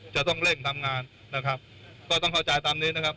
จะต้องเร่งทำงานนะครับก็ต้องเข้าใจตามนี้นะครับ